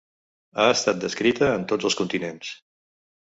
Ha estat descrita en tots els continents.